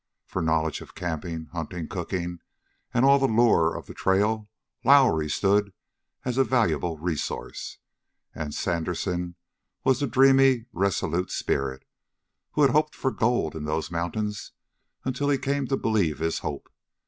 For knowledge of camping, hunting, cooking, and all the lore of the trail, Lowrie stood as a valuable resource; and Sandersen was the dreamy, resolute spirit, who had hoped for gold in those mountains until he came to believe his hope.